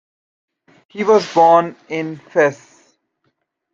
He was born in Fes.